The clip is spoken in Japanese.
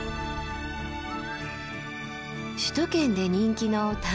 首都圏で人気の丹沢山。